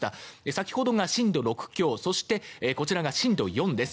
先ほどが震度６強そして、こちらが震度４です。